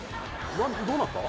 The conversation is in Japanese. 「どうなった？」